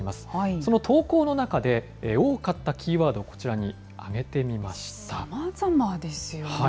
その投稿の中で多かったキーワード、さまざまですよね。